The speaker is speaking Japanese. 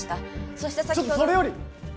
そして先ほどちょっとそれより！